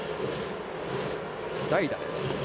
代打です。